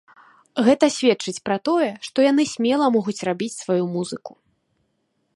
Гэта сведчыць пра тое, што яны смела могуць рабіць сваю музыку.